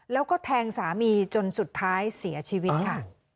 แล้วก็แทงสามีจนสุดท้ายเสียชีวิตค่ะ